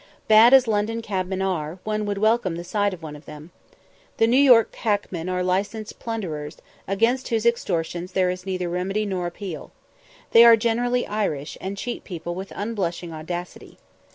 Bad as London cabmen are, one would welcome the sight of one of them. The New York hackmen are licensed plunderers, against whose extortions there is neither remedy nor appeal. They are generally Irish, and cheat people with unblushing audacity.